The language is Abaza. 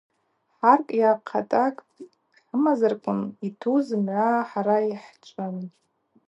Харкӏ йа кӏатакӏ хӏымазарквын йту зымгӏва хӏара йхӏчӏвын.